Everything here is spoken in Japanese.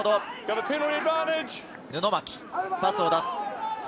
布巻、パスを出す。